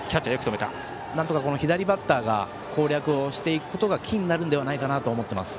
なんとか左バッターが攻略していくことがキーになるのではないかなと思っています。